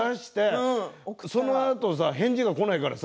そのあと返事がこないからさ